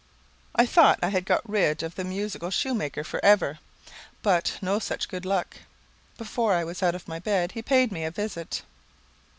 I thought I had got rid of the musical shoemaker for ever, but no such good luck. Before I was out of my bed, he paid me a visit.